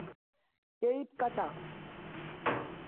এই ইট কাঁচা।